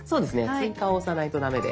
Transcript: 「追加」を押さないと駄目です。